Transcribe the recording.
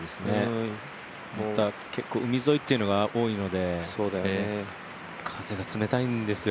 やっぱ海沿いというのが多いので風が冷たいんですよ。